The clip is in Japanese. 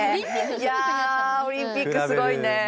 いやオリンピックすごいね。